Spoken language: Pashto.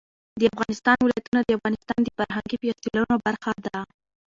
د افغانستان ولايتونه د افغانستان د فرهنګي فستیوالونو برخه ده.